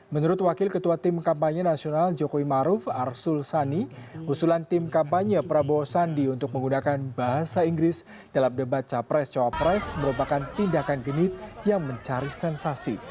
menurut wakil ketua tim kampanye nasional jokowi maruf arsul sani usulan tim kampanye prabowo sandi untuk menggunakan bahasa inggris dalam debat capres cowapres merupakan tindakan genit yang mencari sensasi